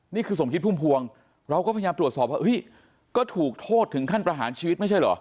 นี่คือสมคิดพุ่มพวงเราก็พยายามตรวจสอบว่าเฮ้ยก็ถูกโทษถึงขั้นประหารชีวิตไม่ใช่เหรอ